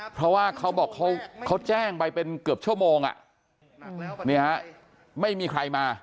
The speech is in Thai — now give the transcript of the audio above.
เพราะว่าเขาบอกเขาแจ้งไปเป็นเกือบชั่วโมงไม่มีใครมา